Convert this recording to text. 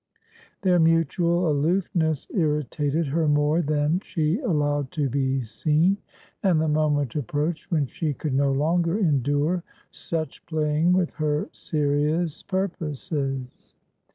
Their mutual aloofness irritated her more than she allowed to be seen, and the moment approached when she could no longer endure such playing with her serious purposes.